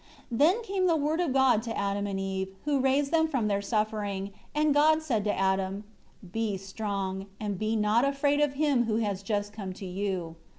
4 Then came the Word of God to Adam and Eve, who raised them from their suffering, and God said to Adam, "Be strong, and be not afraid of him who has just come to you."